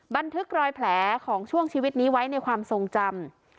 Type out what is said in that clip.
บันทึกรอยแผลของช่วงชีวิตนี้ไว้ในความทรงจำ